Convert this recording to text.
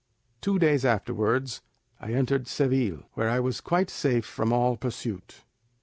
Two days afterwards I entered Seville, where I was quite safe from all pursuit.